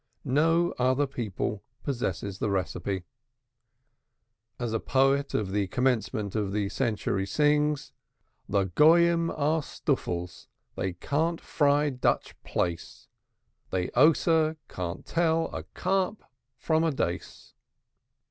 No other people possesses the recipe. As a poet of the commencement of the century sings: The Christians are ninnies, they can't fry Dutch plaice, Believe me, they can't tell a carp from a dace.